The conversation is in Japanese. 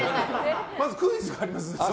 まずクイズがありますので。